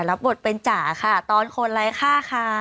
รับบทเป็นจ๋าค่ะตอนคนไร้ค่าค่ะ